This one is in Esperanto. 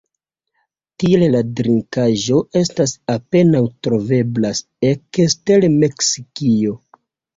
Tial la trinkaĵo estas apenaŭ troveblas ekster Meksikio.